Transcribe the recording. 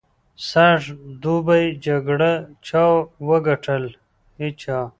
سږ دوبي جګړه چا وګټل؟ هېچا.